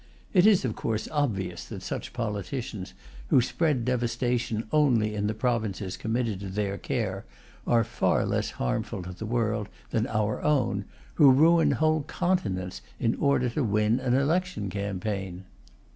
It is, of course, obvious that such politicians, who spread devastation only in the provinces committed to their care, are far less harmful to the world than our own, who ruin whole continents in order to win an election campaign.